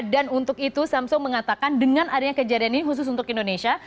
dan untuk itu samsung mengatakan dengan adanya kejadian ini khusus untuk indonesia